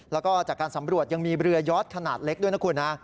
แล้วก็จากการสำรวจยังมีเรือยอดขนาดเล็กด้วยนะคุณฮะ